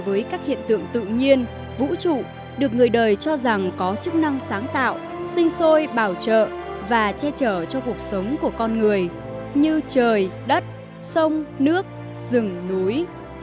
với các hiện tượng tự nhiên vũ trụ được người đời cho rằng có chức năng sáng tạo sinh sôi bảo trợ và che chở cho cuộc sống của con người như trời đất sông nước rừng núi